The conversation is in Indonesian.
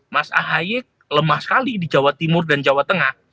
mas ahaye lemah sekali di jawa timur dan jawa tengah